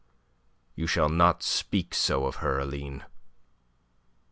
"You shall not speak so of her, Aline."